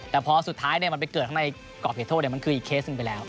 แต่พอสุดท้ายมันไปเกิดข้างในกรอบเหตุโทษมันคืออีกเคสหนึ่งไปแล้ว